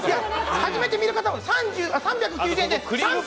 初めて見る方は３９０円で、３個。